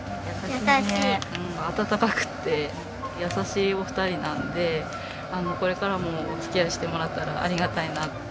温かくって優しいお二人なんでこれからもお付き合いしてもらったらありがたいなと。